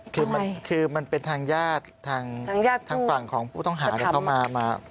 คือมันเป็นทางญาติทางฝั่งของผู้ต้องหาเข้ามา